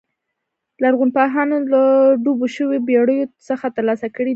لرغونپوهانو له ډوبو شویو بېړیو څخه ترلاسه کړي دي